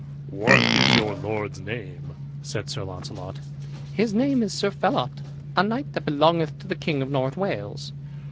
"What is your lord's name?" said Sir Launcelot. "His name is Sir Phelot, a knight that belongeth to the king of North Wales."